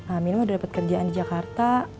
amin udah dapat kerjaan di jakarta